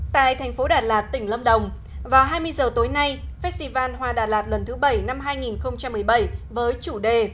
tại thành phố đà lạt tỉnh lâm đồng vào hai mươi h tối nay festival hoa đà lạt lần thứ bảy năm hai nghìn một mươi bảy với chủ đề